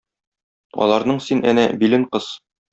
Аларның син, әнә, билен кыс.